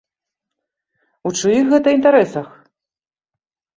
У чыіх гэта інтарэсах?